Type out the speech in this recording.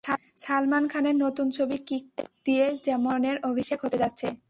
সালমান খানের নতুন ছবি কিক দিয়ে যেমন ড্রোনের অভিষেক হতে যাচ্ছে।